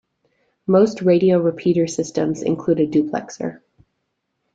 Most radio repeater systems include a duplexer.